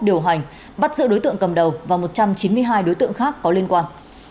điều hành bắt giữ đối tượng cầm đầu và một trăm chín mươi hai đối tượng khác có liên quan